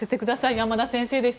山田先生でした。